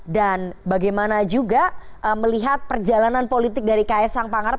dan bagaimana juga melihat perjalanan politik dari ks sang pangarap